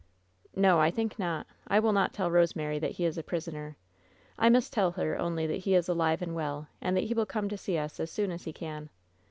'*No. I' think not. I will not tell Rosemary that he is a prisoner. I must tell her only that he is alive and well, and that he will come to see us as soon as he can.